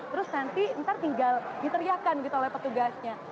terus nanti ntar tinggal diteriakan gitu oleh petugasnya